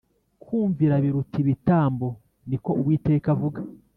Kumvira biruta ibitambo ni ko uwiteka avuga